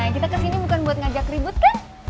kita kesini bukan buat ngajak ribut kan